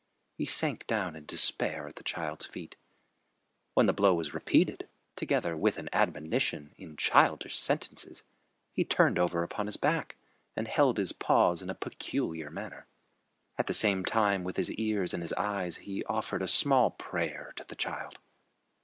He sank down in despair at the child's feet. When the blow was repeated, together with an admonition in childish sentences, he turned over upon his back, and held his paws in a peculiar manner. At the same time with his ears and his eyes he offered a small prayer to the child.